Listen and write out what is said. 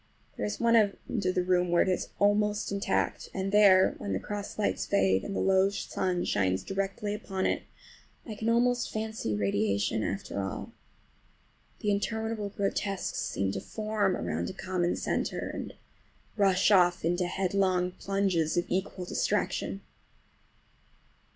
There is one end of the room where it is almost intact, and there, when the cross lights fade and the low sun shines directly upon it, I can almost fancy radiation after all,—the interminable grotesques seem to form around a common centre and rush off in headlong plunges of equal distraction.